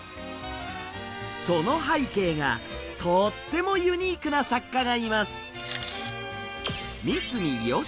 その背景がとってもユニークな作家がいます。